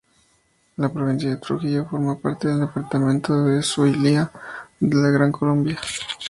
La Provincia de Trujillo forma parte del Departamento del Zulia de la Gran Colombia.